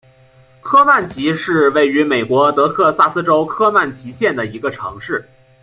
科曼奇是位于美国得克萨斯州科曼奇县的一个城市。